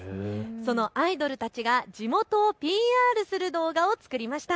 そのアイドルたちが地元をＰＲする動画を作りました。